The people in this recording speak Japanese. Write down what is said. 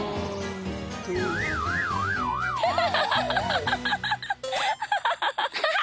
ハハハハ。